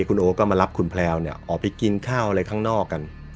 คุณโอก็มารับคุณแพลวเนี่ยออกไปกินข้าวอะไรข้างนอกกัน